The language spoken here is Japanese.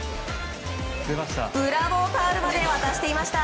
ブラボータオルまで渡していました。